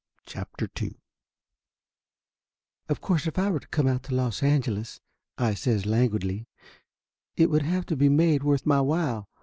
CHAPTER II course if I were to come out to Los Angeles," I says languidly, "it would have to be made worth my while.